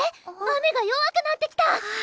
雨が弱くなってきた！